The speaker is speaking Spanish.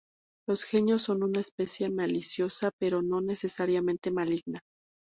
Los genios son una especie maliciosa, pero no necesariamente maligna.